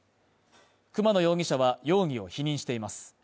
熊野容疑者は容疑を否認しています。